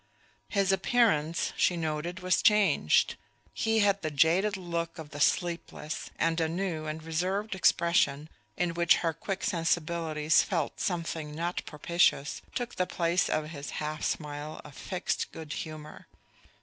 His appearance, she noted, was changed. He had the jaded look of the sleepless, and a new and reserved expression, in which her quick sensibilities felt something not propitious, took the place of his half smile of fixed good humor.